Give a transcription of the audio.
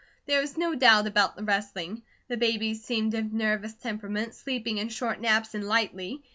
There was no doubt about the wrestling. The babies seemed of nervous temperament, sleeping in short naps and lightly.